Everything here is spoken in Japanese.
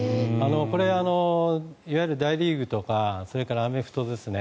これはいわゆる大リーグとかアメフトですね